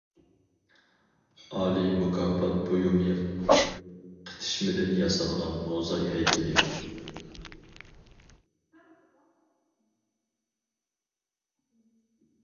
ئالىي مۇكاپات بۇيۇمى قېتىشمىدىن ياسالغان موزاي ھەيكىلى.